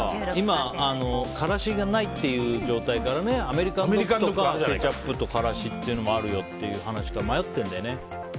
今、辛子がないっていう状態からねアメリカンドッグとかはケチャップと辛子とかもあるよっていう話から迷ってるんだよね。